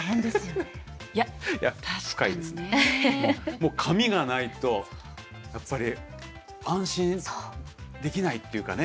もう紙がないとやっぱり安心できないっていうかね。